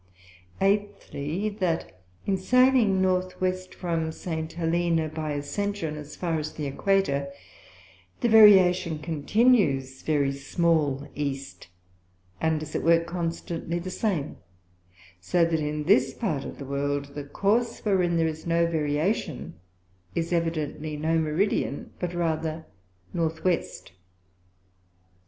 Eighthly, That in Sailing North West from St. Helena by Ascension, as far as the Equator, the Variation continues very small East, and as it were constantly the same: So that in this part of the World the Course, wherein there is no Variation, is evidently no Meridian, but rather North West.